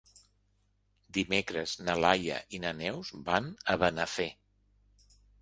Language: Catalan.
Dimecres na Laia i na Neus van a Benafer.